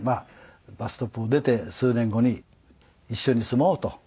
『バス・ストップ』も出て数年後に一緒に住もうと。